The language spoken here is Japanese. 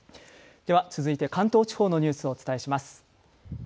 では続いて関東地方のニュースをお伝えします。